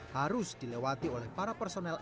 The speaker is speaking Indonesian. harus dilewati oleh para personel